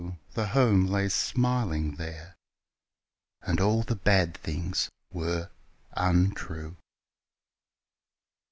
the home lay smiling there And all the bad things were untrue.